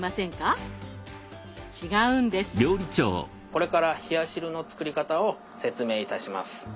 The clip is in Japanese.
これから冷や汁の作り方を説明いたします。